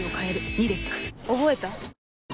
覚えた？